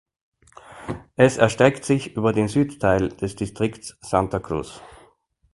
Es erstreckt sich über den Südteil des Distrikts Santa Cruz.